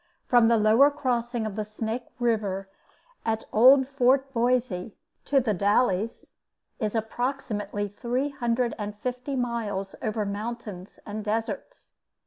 From the lower crossing of the Snake River at old Fort Boise to The Dalles is approximately three hundred and fifty miles over mountains and deserts.